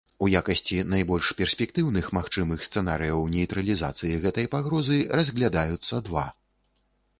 У якасці найбольш перспектыўных магчымых сцэнарыяў нейтралізацыі гэтай пагрозы разглядаюцца два.